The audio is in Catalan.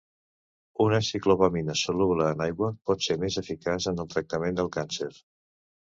Una ciclopamina soluble en aigua pot ser més eficaç en el tractament del càncer.